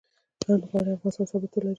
هند غواړي افغانستان ثبات ولري.